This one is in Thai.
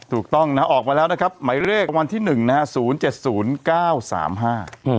ถูกต้องนะออกมาแล้วนะครับหมายเลขวันที่หนึ่งนะฮะศูนย์เจ็ดศูนย์เก้าสามห้าอืม